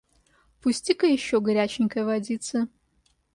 Пусти-ка еще горяченькой водицы.